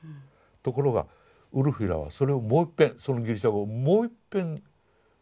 ところがウルフィラはそれをもういっぺんそのギリシャ語をもういっぺんゴート語に訳しますね。